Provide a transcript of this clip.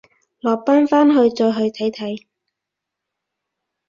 落班翻去再去睇睇